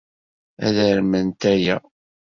Ad arment aya.